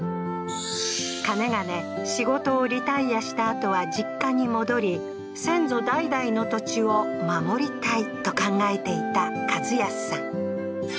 かねがね、仕事をリタイアしたあとは実家に戻り、先祖代々の土地を守りたいと考えていた一康さん。